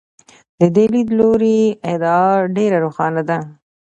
د دې لیدلوري ادعا ډېره روښانه ده.